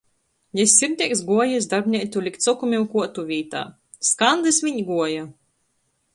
Jis sirdeigs guoja iz darbneicu likt sokumim kuotu vītā. Skandys viņ guoja!